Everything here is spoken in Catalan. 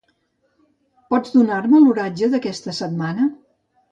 Pots donar-me l'oratge d'aquesta setmana?